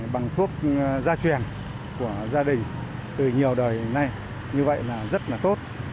bằng thuốc gia truyền của gia đình từ nhiều đời nay như vậy là rất là tốt